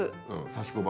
刺し子針。